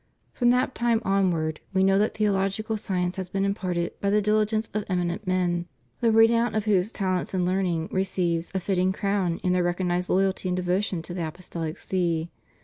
From that time onward We know that theological science has been imparted by the diligence of eminent men the re nown of whose talents and learning receives a fitting crown in their recognized loyalty and devotion to the Apostolic See.